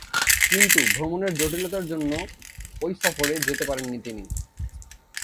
কিন্তু ভ্রমণের জটিলতার জন্য ঐ সফরে যেতে পারেননি তিনি।